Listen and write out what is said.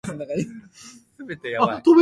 リュックサックください